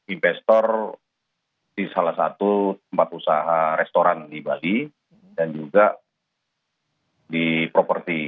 investor di salah satu tempat usaha restoran di bali dan juga di properti